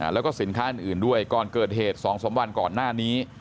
แล้วก็สินค้าอื่นด้วยก่อนเกิดเหตุ๒๓วันก่อนหน้านี้